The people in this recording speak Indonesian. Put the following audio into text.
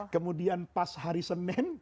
kemudian pas hari senin